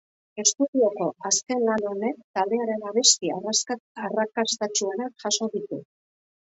Estudioko azken lan honek taldearen abesti arrakastatsuenak jaso ditu.